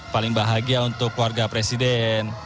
paling bahagia untuk keluarga presiden